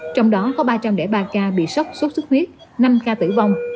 trong đó có ba trăm linh ba ca bị sốc sốt xuất huyết năm ca tử vong